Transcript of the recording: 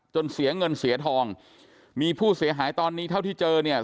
เสียเงินเสียทองมีผู้เสียหายตอนนี้เท่าที่เจอเนี่ย